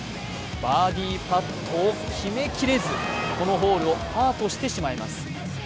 バーディーパットを決めきれずこのホールをパーとしてしまいます。